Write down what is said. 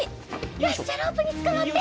よしじゃあロープにつかまって。